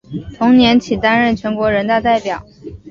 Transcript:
同年起担任全国人大代表。